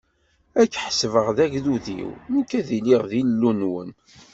Ad ken-ḥesbeɣ d agdud-iw, nekk ad iliɣ d Illu-nwen.